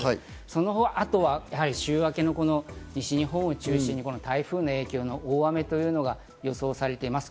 その後、あとは週明けの西日本を中心に台風の影響の大雨というのが予想されています。